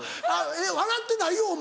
笑ってないよお前。